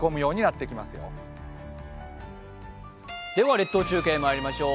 列島中継にまいりましょう。